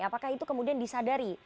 apakah itu kemudian disadari